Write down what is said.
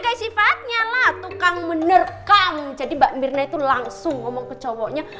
kayak sifatnya lah tukang menerkam jadi mbak mirna itu langsung ngomong ke cowoknya